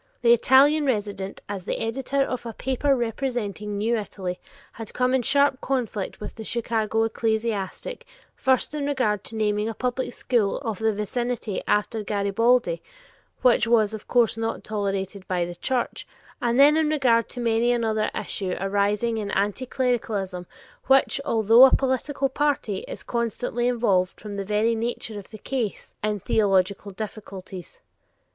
The Italian resident, as the editor of a paper representing new Italy, had come in sharp conflict with the Chicago ecclesiastic, first in regard to naming a public school of the vicinity after Garibaldi, which was of course not tolerated by the Church, and then in regard to many another issue arising in anticlericalism, which, although a political party, is constantly involved, from the very nature of the case, in theological difficulties.